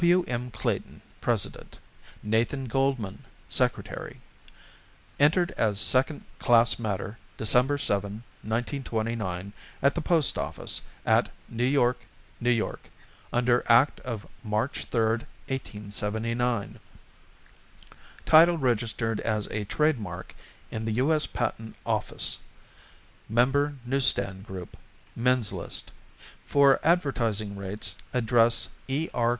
W. M. Clayton, President; Nathan Goldmann, Secretary. Entered as second class matter December 7, 1929, at the Post Office at New York, N. Y., under Act of March 3, 1879. Title registered as a Trade Mark in the U. S. Patent Office. Member Newsstand Group Men's List. For advertising rates address E. R.